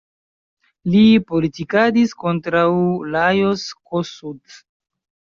Li politikadis kontraŭ Lajos Kossuth.